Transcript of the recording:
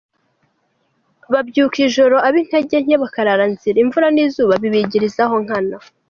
Babyuka ijoro, ab’intege nke bakarara nzira, imvura n’izuba bibigirizaho nkana.